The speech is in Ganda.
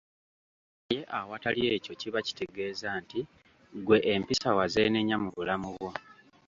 Naye awatali ekyo kiba kitegeeza nti ggwe empisa wazeenenya mu bulamu bwo.